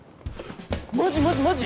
マジマジマジ